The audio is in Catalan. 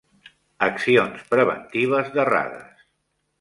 Accions preventives d'errades.